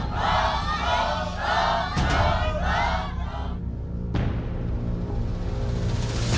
ถูก